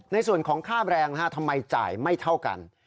ในส่วนของค่าแรงทำไมจ่ายไม่เท่ากัน